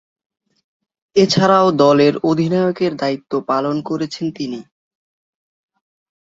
এছাড়াও দলের অধিনায়কের দায়িত্ব পালন করছেন তিনি।